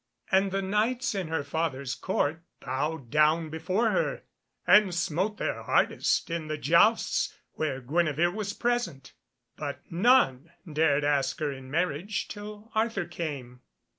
And the Knights in her father's Court bowed down before her, and smote their hardest in the jousts where Guenevere was present, but none dared ask her in marriage till Arthur came.